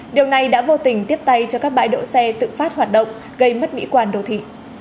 điều này đã vô tình tiếp tay cho các bãi đỗ xe tự phát hoạt động gây mất mỹ quan đô thị